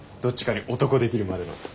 どっちかに男できるまでの。